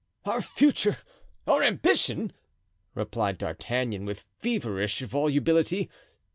"Our future, our ambition!" replied D'Artagnan, with feverish volubility.